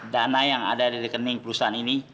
dana yang ada di rekening perusahaan ini